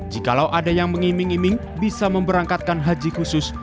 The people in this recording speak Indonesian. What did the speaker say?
jikalau ada yang mengiming iming bisa memberangkatkan haji khusus